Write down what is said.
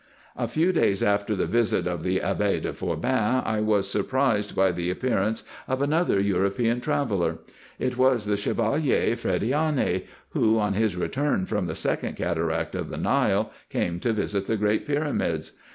A few days after the visit of the Abbe de Forbin I was surprised by the appearance of another European traveller. It was the Chevalier Frediani, who, on his return from the second cataract of the Nile, came to visit the great pyramids.